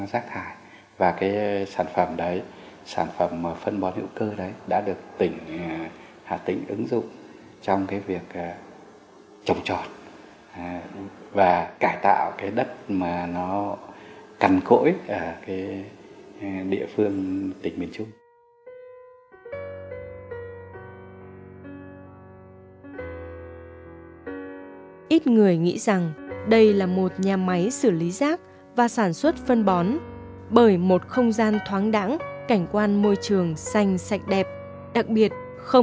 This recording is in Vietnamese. giác thải thành sản phẩm phục vụ sản xuất sạch bền vững là điều mà phó giáo sư tiến sĩ tiến sĩ tăng thị chính trưởng phòng viện hàn lâm khoa học công nghệ việt nam